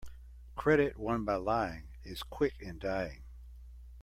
Credit won by lying is quick in dying.